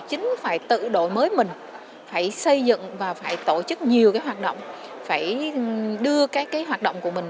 chính phải tự đội mới mình phải xây dựng và phải tổ chức nhiều cái hoạt động phải đưa cái hoạt động của mình